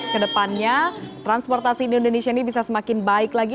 ke depannya transportasi indonesia ini bisa semakin baik lagi